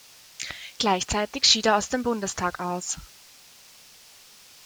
Gleichzeitig schied er aus dem Bundestag aus.